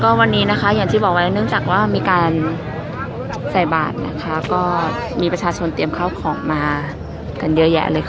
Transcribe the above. วันนี้นะคะอย่างที่บอกไว้เนื่องจากว่ามีการใส่บาทนะคะก็มีประชาชนเตรียมข้าวของมากันเยอะแยะเลยค่ะ